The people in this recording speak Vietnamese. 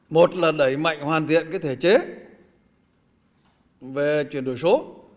một là đẩy mạnh hoàn thiện thể chế về chuyển đổi số